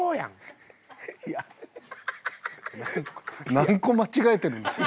何個間違えてるんですか？